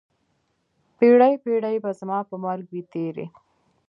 پیړۍ، پیړۍ به زما په مرګ وي تېرې